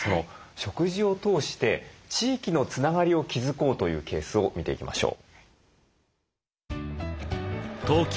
食事を通して地域のつながりを築こうというケースを見ていきましょう。